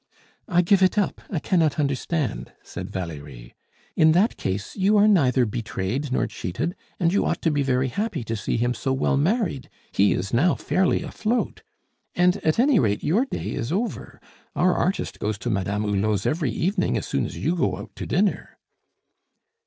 "I give it up. I cannot understand," said Valerie. "In that case you are neither betrayed nor cheated, and you ought to be very happy to see him so well married; he is now fairly afloat. And, at any rate, your day is over. Our artist goes to Madame Hulot's every evening as soon as you go out to dinner."